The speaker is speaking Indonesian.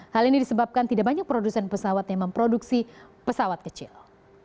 hal ini disebabkan tidak banyak produsen pesawat yang memproduksi pesawat kecil